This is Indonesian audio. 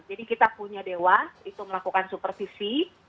jadi kita punya dewa itu melakukan supervisi